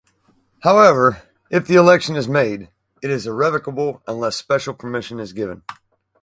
However, if the election is made, it is irrevocable unless special permission is given.